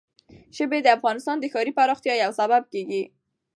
ژبې د افغانستان د ښاري پراختیا یو سبب کېږي.